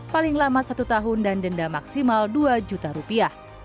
paling lama satu tahun dan denda maksimal dua juta rupiah